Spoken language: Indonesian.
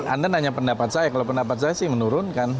anda nanya pendapat saya kalau pendapat saya sih menurunkan